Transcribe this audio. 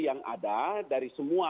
yang ada dari semua